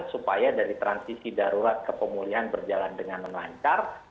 supaya dari transisi darurat kepemulihan berjalan dengan melancar